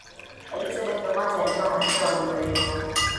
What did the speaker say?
elizabeth wa kwanza alikuwa malkia wa uingereza